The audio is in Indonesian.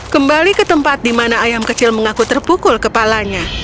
kembali ke tempat di mana ayam kecil mengaku terpukul kepalanya